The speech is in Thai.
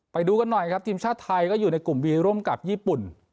ไปดูกันหน่อยครับทีมชาติไทยก็อยู่ในกลุ่มวีร่วมกับญี่ปุ่น